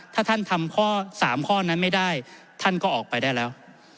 ถ้าท่านทำข้อ๓ข้อนั้นไม่ได้ท่านก็ออกไปได้แล้ว